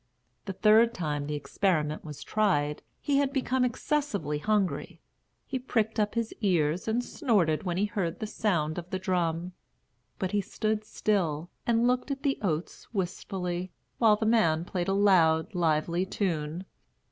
The third time the experiment was tried, he had become excessively hungry. He pricked up his ears and snorted when he heard the sound of the drum; but he stood still and looked at the oats wistfully, while the man played a loud, lively tune.